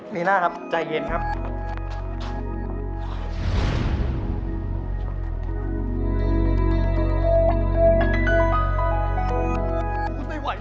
ปีหน้าครับใจเย็นครับ